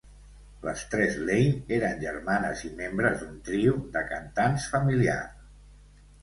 Les tres Lane eren germanes i membres d'un trio de cantants familiar.